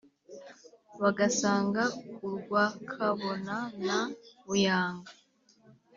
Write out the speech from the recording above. Bagasanga urwa Kabona na Buyanga